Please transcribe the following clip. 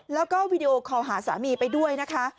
แล้วก็วีดีโอคอลหาสามีไปด้วยนะคะ